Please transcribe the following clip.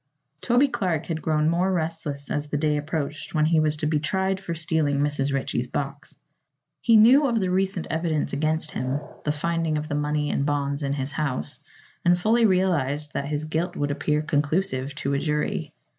Toby Clark had grown more restless as the day approached when he was to be tried for stealing Mrs. Ritchie's box. He knew of the recent evidence against him the finding of the money and bonds in his house and fully realized that his guilt would appear conclusive to a jury.